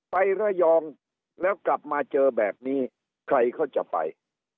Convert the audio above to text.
ไประยองแล้วกลับมาเจอแบบนี้ใครก็จะไป